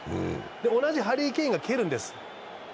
同じハリー・ケインが蹴るんです。